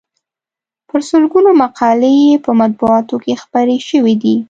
په سلګونو مقالې یې په مطبوعاتو کې خپرې شوې دي.